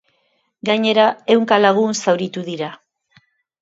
Gainera, ehunka lagun zauritu dira.